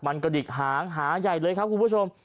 มันกระดิกหางหาใหญ่เลยครับคุณผู้ชม